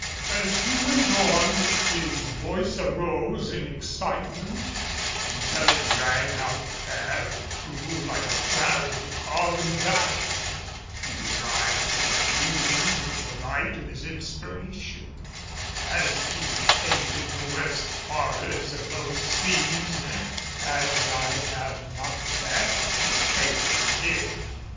As he went on his voice arose in excitement until it rang out fair and true like a clarion call in battle, and his eyes were illumined with the light of his inspiration, as he painted the worst horrors of those scenes as I have not dared to paint them here.